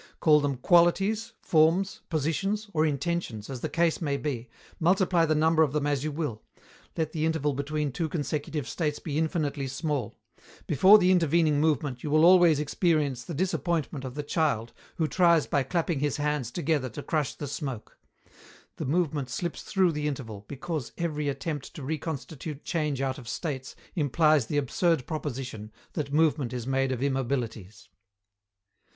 Call them qualities, forms, positions, or intentions, as the case may be, multiply the number of them as you will, let the interval between two consecutive states be infinitely small: before the intervening movement you will always experience the disappointment of the child who tries by clapping his hands together to crush the smoke. The movement slips through the interval, because every attempt to reconstitute change out of states implies the absurd proposition, that movement is made of immobilities.